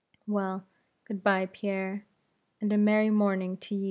Well, good bye, Pierre, and a merry morning to ye!"